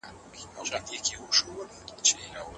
ولي هڅاند سړی د مستحق سړي په پرتله هدف ترلاسه کوي؟